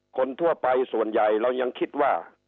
คนทั่วไปส่วนใหญ่เรายังคิดว่า